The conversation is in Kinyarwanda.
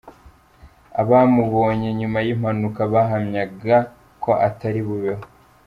Abamubonye nyuma y'impanuka bahamyaga ko atari bubeho.